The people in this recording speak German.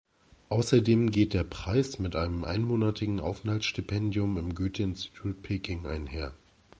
Außerdem geht der Preis mit einem einmonatigen Aufenthaltsstipendium im Goethe-Institut Peking einher.